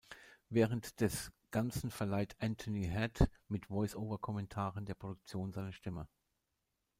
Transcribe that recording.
Während des ganzen verleiht Anthony Head mit Voice-over-Kommentaren der Produktion seine Stimme.